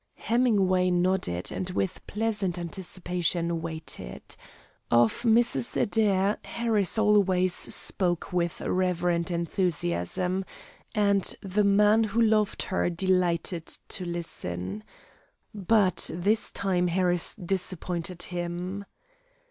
Hemingway nodded, and with pleasant anticipation waited. Of Mrs. Adair, Harris always spoke with reverent enthusiasm, and the man who loved her delighted to listen. But this time Harris disappointed him.